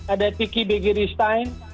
ada tiki begiristain